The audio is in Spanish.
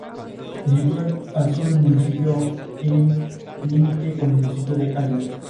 Ejerció de profesora de magisterio y de profesora ayudando en la Universitat de Barcelona.